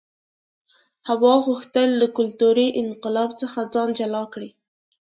هوا غوښتل له کلتوري انقلاب څخه ځان جلا کړي.